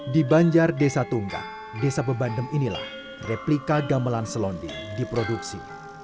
di banjar desa tunggak desa bebandem inilah replika gamelan selonding diproduksi